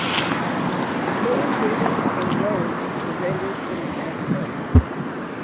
Many buildings and roads were rendered impassable.